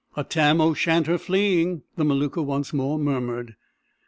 "A Tam o' Shanter fleeing," the Maluka once more murmured.